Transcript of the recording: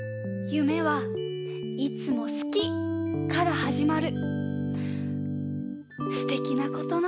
「夢はいつも好きから始まる」？